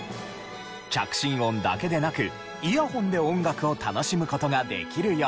着信音だけでなくイヤホンで音楽を楽しむ事ができるように。